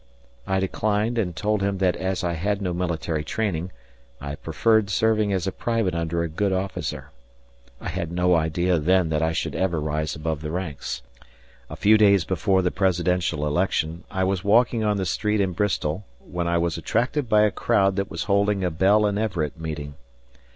I declined and told him that as I had no military training, I preferred serving as a private under a good officer. I had no idea then that I should ever rise above the ranks. A few days before the presidential election, I was walking on the street in Bristol when I was attracted by a crowd that was holding a Bell and Everett meeting.